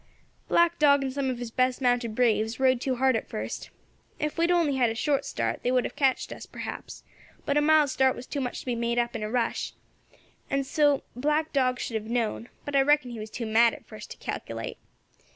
"Black Dog and some of his best mounted braves rode too hard at first. Ef we had only had a short start they would have catched us, perhaps; but a mile's start was too much to be made up by a rush, and so Black Dog should have known; but I reckon he was too mad at first to calculate.